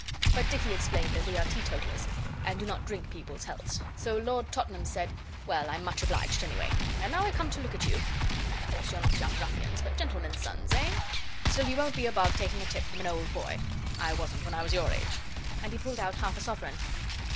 But Dicky explained that we are teetotallers, and do not drink people's healths. So Lord Tottenham said, 'Well, I'm much obliged any way. And now I come to look at you of course, you're not young ruffians, but gentlemen's sons, eh? Still, you won't be above taking a tip from an old boy I wasn't when I was your age,' and he pulled out half a sovereign.